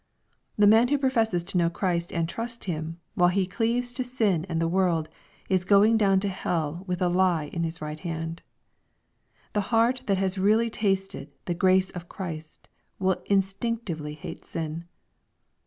The man who professes to know Christ and trust Him, while he cleaves to sin and the world, is going down to hell with a lie in his right hand. The heart that has really tasted the Grace j)f Christ, will instinctively hate sin.